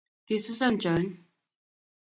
kisusan chony